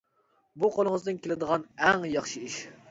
بۇ قولىڭىزدىن كېلىدىغان ئەڭ ياخشى ئىش.